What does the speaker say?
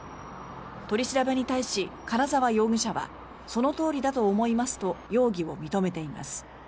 取り調べに対し金沢容疑者はそのとおりだと思いますと容疑を認めています。